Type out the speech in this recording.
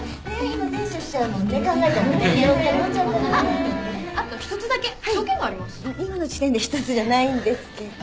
今の時点で一つじゃないんですけど。